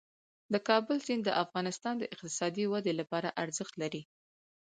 د کابل سیند د افغانستان د اقتصادي ودې لپاره ارزښت لري.